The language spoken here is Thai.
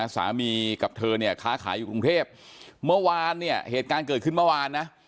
สามีกับเธอค้าขายอยู่กรุงเทพฯเหตุการณ์เกิดขึ้นเมื่อวานนะ